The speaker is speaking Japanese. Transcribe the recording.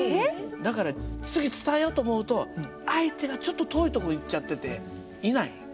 だから次伝えようと思うと相手がちょっと遠いとこ行っちゃってていない。